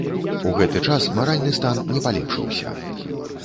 У гэты час маральны стан не палепшыўся.